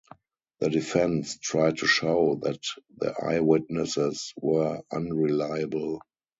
The defense tried to show that the eyewitnesses were unreliable.